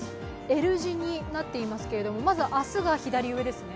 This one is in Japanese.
Ｌ字になっていますけれども、まず明日が左上ですね。